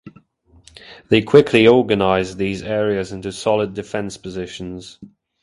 They quickly organized these areas into solid defense positions.